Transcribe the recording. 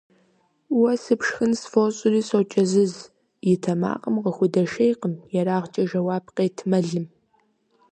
– Уэ сыпшхын сфӀощӀри сокӀэзыз – и тэмакъым къыхудэшейкъыми ерагъкӀэ жэуап къет Мэлым.